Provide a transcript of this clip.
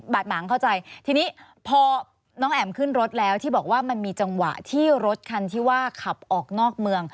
หมางเข้าใจทีนี้พอน้องแอ๋มขึ้นรถแล้วที่บอกว่ามันมีจังหวะที่รถคันที่ว่าขับออกนอกเมือง